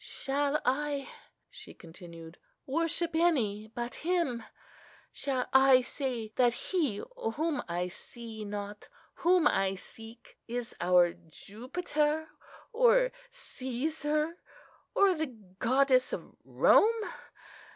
"Shall I," she continued, "worship any but Him? Shall I say that He whom I see not, whom I seek, is our Jupiter, or Cæsar, or the goddess Rome?